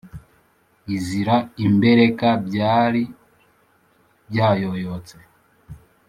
izira imbereka byari byayoyotse.